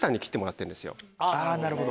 あぁなるほど。